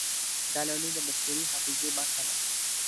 دا لړۍ د بشري حافظې برخه ده.